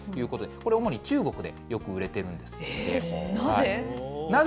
これ、主に中国でよく売れてるんなぜ？